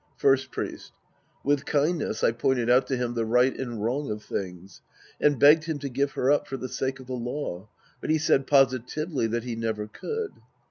First Priest. With kindness I pointed out to him the right and wrong of things and begged him to give her up for the sake of the law. But he said positively that he never could.